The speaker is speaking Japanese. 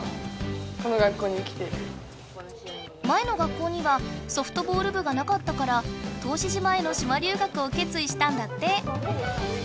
前の学校にはソフトボール部がなかったから答志島への島留学をけついしたんだって。